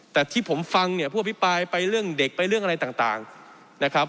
แต่ที่ผมฟังเนี่ยผู้อภิปรายไปเรื่องเด็กไปเรื่องอะไรต่างนะครับ